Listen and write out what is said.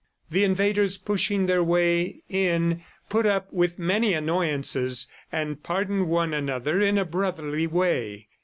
The invaders, pushing their way in, put up with many annoyances and pardoned one another in a brotherly way.